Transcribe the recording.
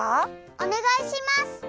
おねがいします！